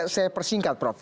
saya persingkat prof